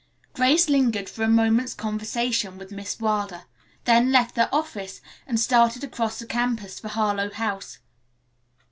Grace lingered for a moment's conversation with Miss Wilder, then left the office and started across the campus for Harlowe House.